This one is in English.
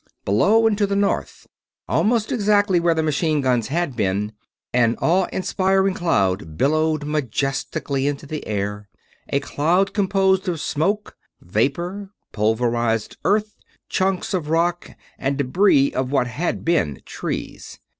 Below and to the north, almost exactly where the machine guns had been, an awe inspiring cloud billowed majestically into the air; a cloud composed of smoke, vapor, pulverized earth, chunks of rock, and debris of what had been trees.